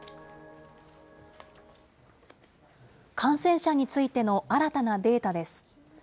感染者についての新たなデータです。